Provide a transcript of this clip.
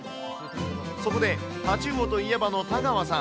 そこで太刀魚といえばの田川さん。